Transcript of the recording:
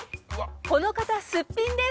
「この方すっぴんです」